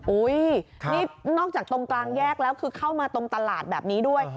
อุ้ยนี่นอกจากตรงกลางแยกแล้วคือเข้ามาตรงตลาดแบบนี้ด้วย